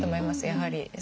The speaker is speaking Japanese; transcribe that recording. やはり。